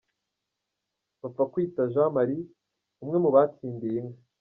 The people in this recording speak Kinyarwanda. Bapfakwita Jean Marie umwe mu batsindiye inka .